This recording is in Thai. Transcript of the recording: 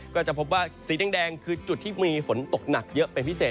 ก็จะพบว่าสีแดงคือจุดที่มีฝนตกหนักเยอะเป็นพิเศษ